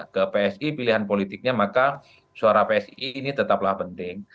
ke psi pilihan politiknya maka suara psi ini tetaplah penting